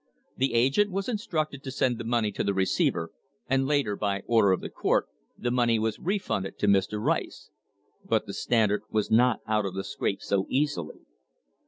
The agent was instructed to send the money to the receiver, and later, by order of the court, the money was refunded to Mr. Rice. But the Stand ard was not out of the scrape so easily.